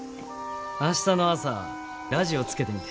明日の朝ラジオつけてみて。